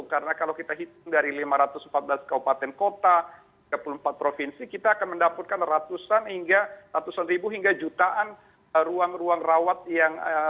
karena kalau kita hitung dari lima ratus empat belas kabupaten kota tiga puluh empat provinsi kita akan mendapatkan ratusan hingga ratusan ribu hingga jutaan ruang ruang yang berbeda